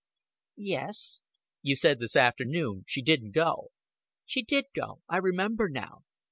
"Yes." "You said this afternoon she didn't go." "She did go. I remember now."